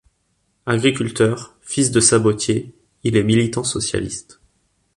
Agriculteur, fils de sabotier, il est militant socialiste.